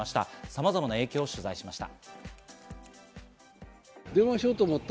さまざまな影響を取材しました。